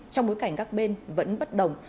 trong bối cảnh các bên vẫn bất đồng